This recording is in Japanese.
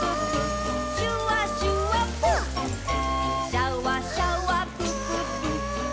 「シャワシャワプププ」ぷー。